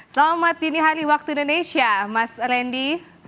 selamat dini hari waktu indonesia mas randy